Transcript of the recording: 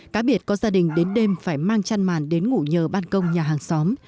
cá biệt có gia đình đến đêm phải mang chăn màn đến ngủ nhờ ban công nhà hàng xóm